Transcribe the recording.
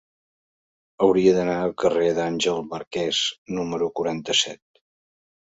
Hauria d'anar al carrer d'Àngel Marquès número quaranta-set.